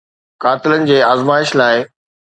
قاتل جي آزمائش لاء